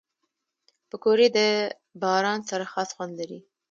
پکورې له باران سره خاص خوند لري